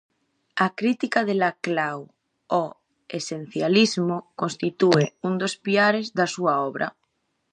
A crítica de Laclau ó esencialismo constitúe un dos piares da súa obra.